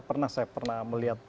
pernah saya melihat